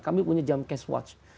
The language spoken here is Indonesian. kami punya jam cash watch